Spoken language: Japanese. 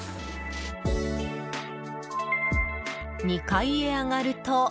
２階へ上がると。